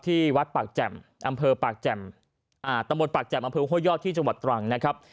ที่วัดปากแจ่มอำเภอปากแจ่มอำเภอโฮยอทที่จังหวัดตรังนะครับ